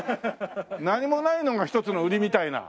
何もないのが一つの売りみたいな。